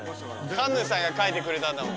神主さんが書いてくれたんだもん。